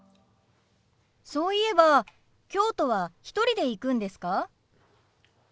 そういえば京都は１人で行くんですか？